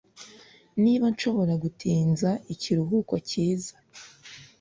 niba nshobora gutinza ikiruhuko cyiza